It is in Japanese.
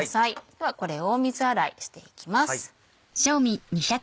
ではこれを水洗いしていきます。